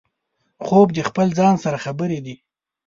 خوب د خپل ځان سره خبرې دي